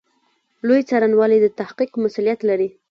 لوی څارنوالي د تحقیق مسوولیت لري